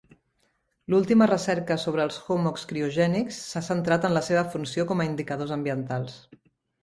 L'última recerca sobre els hummocks criogènics s'ha centrat en la seva funció com a indicadors ambientals.